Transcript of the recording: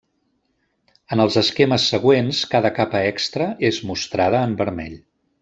En els esquemes següents, cada capa extra és mostrada en vermell.